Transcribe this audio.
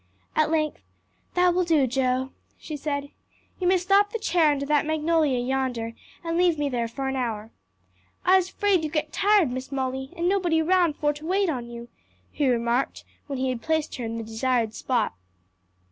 At length, "That will do, Joe," she said; "you may stop the chair under that magnolia yonder, and leave me there for an hour." "I'se 'fraid you git tired, Miss Molly, and nobody roun' for to wait on you," he remarked when he had placed her in the desired spot.